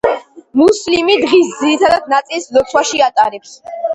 მუსლიმი დღის ძირითად ნაწილს ლოცვაში ატარებს.